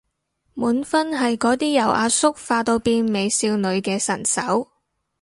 滿分係嗰啲由阿叔化到變美少女嘅神手